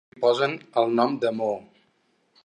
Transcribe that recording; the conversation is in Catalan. Li posen el nom de Moo?